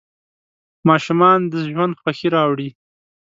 ماشومان د ژوند خوښي راوړي.